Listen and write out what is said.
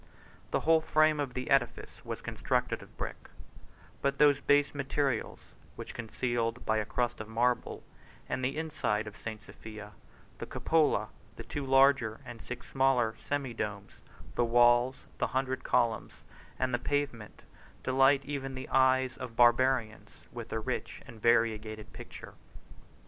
The whole frame of the edifice was constructed of brick; but those base materials were concealed by a crust of marble; and the inside of St. Sophia, the cupola, the two larger, and the six smaller, semi domes, the walls, the hundred columns, and the pavement, delight even the eyes of Barbarians, with a rich and variegated picture.